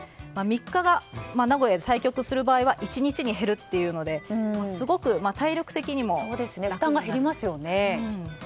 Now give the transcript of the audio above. ３日が名古屋で対局する場合は１日に減るというのですごく体力的にも。負担が減りますよね。